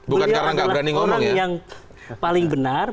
beliau adalah orang yang paling benar